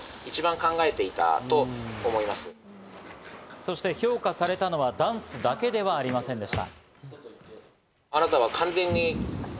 そして評価されたのはダンスだけではありませんでした。